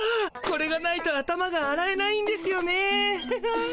これがないと頭があらえないんですよね。